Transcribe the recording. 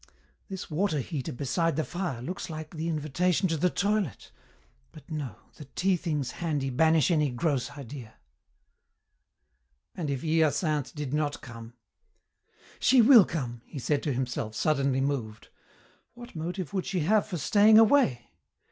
This water heater beside the fire looks like the invitation to the toilet, but no, the tea things handy banish any gross idea." And if Hyacinthe did not come? "She will come," he said to himself, suddenly moved. "What motive would she have for staying away?